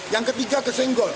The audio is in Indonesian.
yang ketiga kesenggol